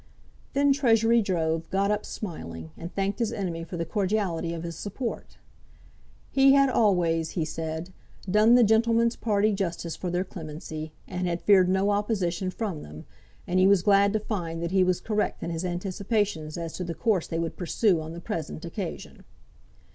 Then Treasury Jove got up smiling, and thanked his enemy for the cordiality of his support. "He had always," he said, "done the gentleman's party justice for their clemency, and had feared no opposition from them; and he was glad to find that he was correct in his anticipations as to the course they would pursue on the present occasion."